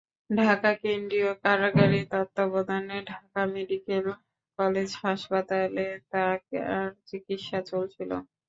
ঢাকা কেন্দ্রীয় কারাগারের তত্ত্বাবধানে ঢাকা মেডিকেল কলেজ হাসপাতালে তাঁর চিকিৎসা চলছিল।